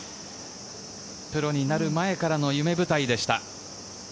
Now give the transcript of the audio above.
プロになる前からの夢舞台でした。